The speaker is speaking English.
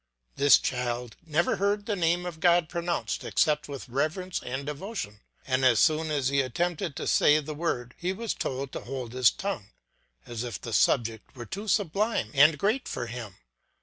This child never heard the name of God pronounced except with reverence and devotion, and as soon as he attempted to say the word he was told to hold his tongue, as if the subject were too sublime and great for him.